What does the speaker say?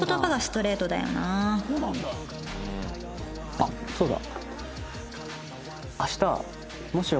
あっそうだ。